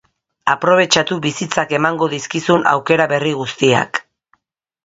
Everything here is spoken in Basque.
Aprobetxatu bizitzak emango dizkizun aukera berri guztiak.